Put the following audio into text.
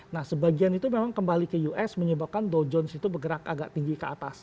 nah sebagian itu memang kembali ke us menyebabkan dow jones itu bergerak agak tinggi ke atas